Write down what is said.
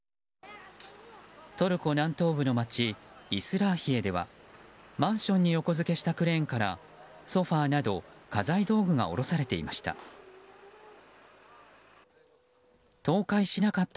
トルコ南東部の街イスラーヒエではマンションに横付けしたクレーンからソファなど家財道具が下ろされていました。